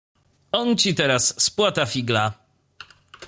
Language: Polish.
"On ci teraz spłata figla."